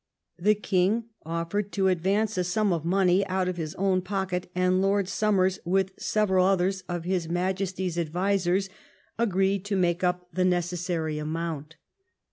The King offered to advance a sum of money out of his own pocket, and Lord Somers, with several others of his Majesty's advisers, agreed to make up the necessary amount.